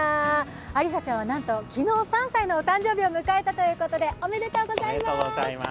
ありさちゃんはなんと、昨日、３歳のお誕生日を迎えたということで、おめでとうございます。